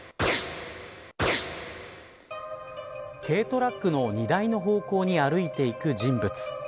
軽トラックの荷台の方向に歩いていく人物